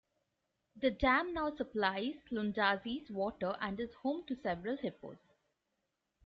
The dam now supplies Lundazi's water and is home to several hippos.